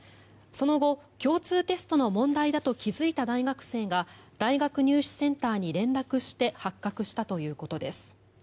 その後、共通テストの問題だと気付いた大学生が大学入試センターに連絡して発覚したということです。